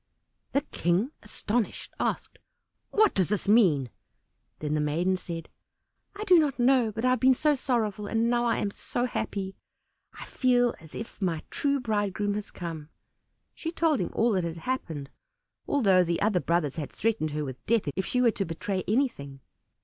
The King, astonished, asked, "What does this mean?" Then the maiden said, "I do not know, but I have been so sorrowful and now I am so happy! I feel as if my true bridegroom had come." She told him all that had happened, although the other brothers had threatened her with death if she were to betray anything.